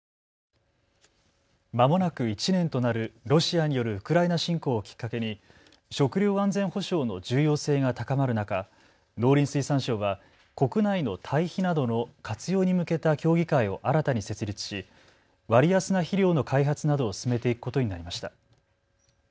まもなく１年となるロシアによるウクライナ侵攻をきっかけに食料安全保障の重要性が高まる中、農林水産省は国内の堆肥などの活用に向けた協議会を新たに設立し、割安な肥料の開発などを進めていくことになりました。